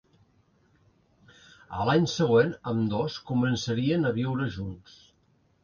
A l'any següent ambdós començarien a viure junts.